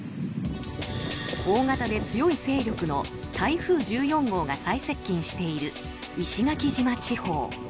大型で強い勢力の台風１４号が最接近している石垣島地方。